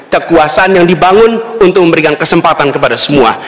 kekuasaan yang dibangun untuk memberikan kesempatan kepada semua